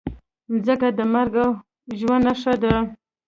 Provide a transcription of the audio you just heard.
مځکه د مرګ او ژوند نښه ده.